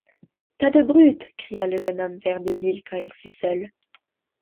Tas de brutes ! cria le jeune homme, vert de bile, quand il fut seul.